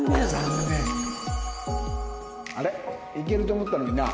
いけると思ったのにな。